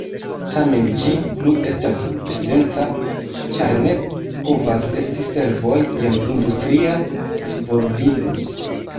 Tamen ĝi plu estas esenca, ĉar ne povas esti servoj sen industria disvolvigo.